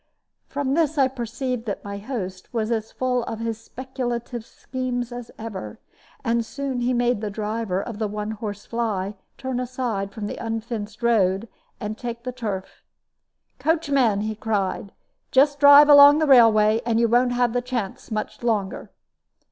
From this I perceived that my host was as full of his speculative schemes as ever; and soon he made the driver of the one horse fly turn aside from the unfenced road and take the turf. "Coachman," he cried, "just drive along the railway; you won't have the chance much longer."